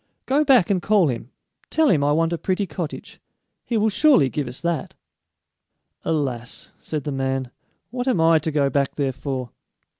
Go back and call him; tell him I want a pretty cottage; he will surely give us that!" "Alas," said the man, "what am I to go back there for?"